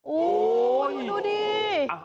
โอ้ยดูดี